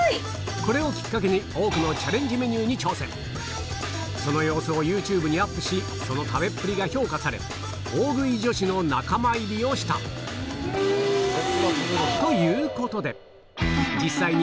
これをきっかけにその様子をＹｏｕＴｕｂｅにアップしその食べっぷりが評価され大食い女子の仲間入りをしたうん。